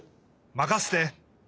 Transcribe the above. まかせて！